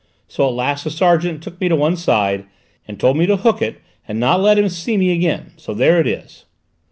So at last the sergeant took me to one side and told me to hook it and not let him see me again. So there it is."